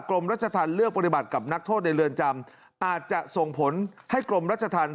กรมรัชธรรมเลือกปฏิบัติกับนักโทษในเรือนจำอาจจะส่งผลให้กรมรัชธรรม